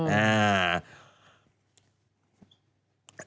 อืมอ่า